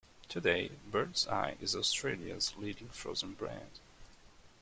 Today, Birds Eye is Australia's leading frozen brand.